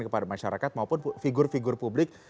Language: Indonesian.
kepada masyarakat maupun figur figur publik